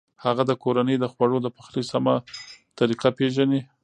هغه د کورنۍ د خوړو د پخلي سمه طریقه پېژني.